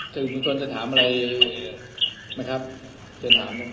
สื่อมวลชนจะถามอะไรไหมครับจะถาม